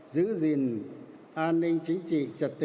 giữ gìn an ninh chính trị trật tự